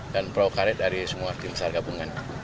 dan perau karet dari semua timsar gabungan